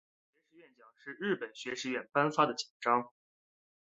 日本学士院奖是日本学士院颁发的奖章。